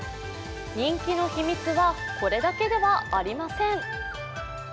人気の秘密はこれだけではありません。